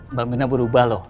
mbak mirna berubah loh